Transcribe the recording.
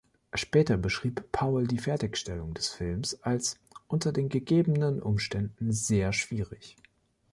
Später beschrieb Powell die Fertigstellung des Films als „unter den gegebenen Umständen sehr schwierig“.